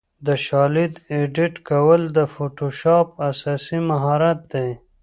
د شالید ایډیټ کول د فوټوشاپ اساسي مهارت دی.